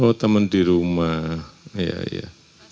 oh temen di rumah iya iya